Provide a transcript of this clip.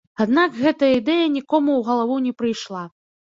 Аднак гэтая ідэя нікому ў галаву не прыйшла.